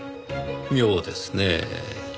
妙ですねぇ。